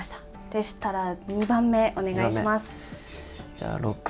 でしたら、２番目、お願いします。